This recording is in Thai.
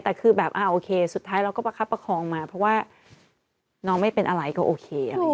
แต่คือแบบโอเคสุดท้ายเราก็ประคับประคองมาเพราะว่าน้องไม่เป็นอะไรก็โอเคอะไรอย่างนี้